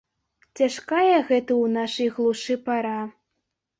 Цяжкая гэта ў нашай глушы пара.